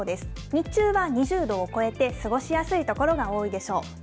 日中は２０度を超えて、過ごしやすい所が多いでしょう。